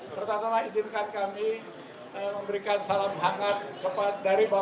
pertama tama izinkan kami memberikan salam hangat kepada bapak